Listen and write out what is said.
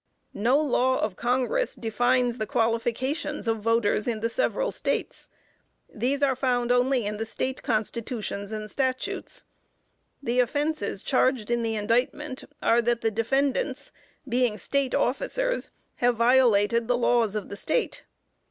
No law of Congress defines the qualifications of voters in the several States. These are found only in the State Constitutions and Statutes. The offenses charged in the indictment are, that the defendants, being State officers, have violated the laws of the State.